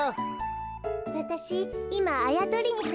わたしいまあやとりにはまってるの。